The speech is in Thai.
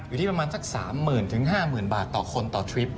อยู่ที่ประมาณ๓๐๐๐๐บาทกับ๕๐๐๐๐โชคบาทต่อคนต่อทริป